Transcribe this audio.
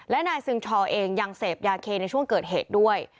และนายซึงชอเองยังเสพยาเคในช่วงเกิดเหตุด้วย